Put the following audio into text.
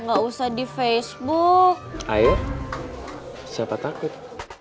enggak usah di facebook air siapa takut